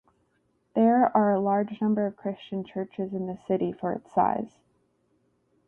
There are a large number of Christian churches in the city for its size.